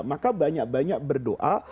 maka banyak banyak berdoa